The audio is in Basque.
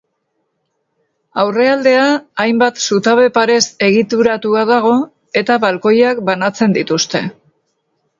Aurrealdea hainbat zutabe-parez egituratua dago, eta balkoiak banatzen dituzte.